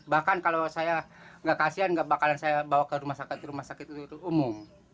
bahkan kalau saya nggak kasihan nggak bakalan saya bawa ke rumah sakit rumah sakit umum